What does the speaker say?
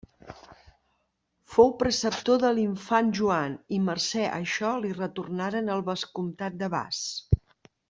Fou preceptor de l'infant Joan i mercè a això li retornaren el vescomtat de Bas.